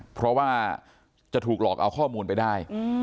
เพราะว่าจะถูกหลอกเอาข้อมูลไปได้